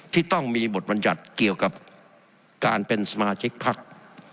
ที่ต้องมีบทบรรยัติเกี่ยวกับการเป็นสมาชิกพัก